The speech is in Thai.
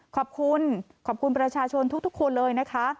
ขอบคุณขอบคุณประชาชนทุกคนเลยนะคะ